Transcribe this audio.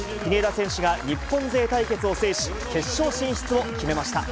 国枝選手が日本勢対決を制し、決勝進出を決めました。